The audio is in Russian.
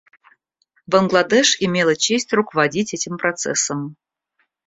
Бангладеш имела честь руководить этим процессом.